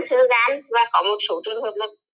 sửa gán và có một số trường hợp là